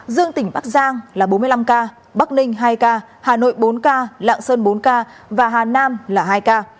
dương tỉnh bắc giang là bốn mươi năm ca bắc ninh hai ca hà nội bốn ca lạng sơn bốn ca và hà nam là hai ca